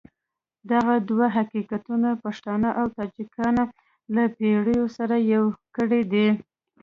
دغه دوه حقیقتونه پښتانه او تاجکان له پېړیو سره يو کړي دي.